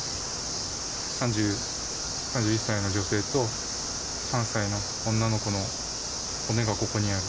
３１歳の女性と、３歳の女の子の骨がここにある。